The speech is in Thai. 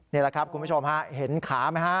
นี่แหละครับคุณผู้ชมฮะเห็นขาไหมฮะ